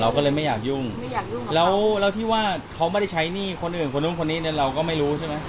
อ๋อเราก็เลยไม่อยากยุ่งแล้วที่ว่าเขาไม่ได้ใช้หนี้คนอื่นคนนึงคนนี้เราก็ไม่รู้ใช่ไหม